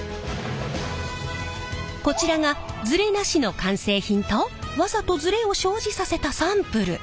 こちらがズレなしの完成品とわざとズレを生じさせたサンプル。